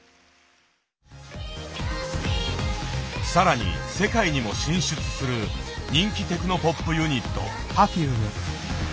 更に世界にも進出する人気テクノポップユニット。